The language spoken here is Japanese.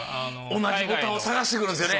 同じボタンを探してくるんですよね。